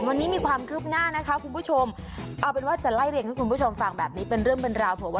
วันนี้มีความคืบหน้านะคะว่าจะไล่เรียงให้คุณผู้ชมสั่งแบบนี้เป็นเรื่องเป็นราว